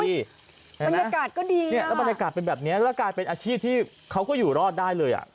บรรยากาศก็ดีเนี่ยแล้วบรรยากาศเป็นแบบนี้แล้วกลายเป็นอาชีพที่เขาก็อยู่รอดได้เลยอ่ะ